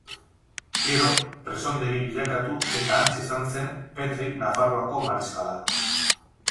Gero, presondegi bilakatu eta hantxe izan zen Petri Nafarroako mariskala.